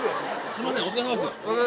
すいません